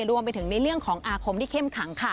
รวมไปถึงในเรื่องของอาคมที่เข้มขังค่ะ